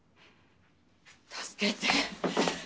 助けて！